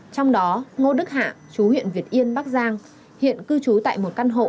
trong đó ngô đức hạ chú huyện việt yên bắc giang hiện cư trú tại một căn hộ